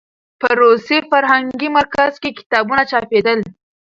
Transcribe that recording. په روسي فرهنګي مرکز کې کتابونه چاپېدل.